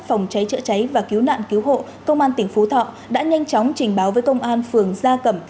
phòng cháy chữa cháy và cứu nạn cứu hộ công an tỉnh phú thọ đã nhanh chóng trình báo với công an phường gia cẩm